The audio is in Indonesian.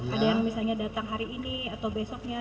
ada yang misalnya datang hari ini atau besoknya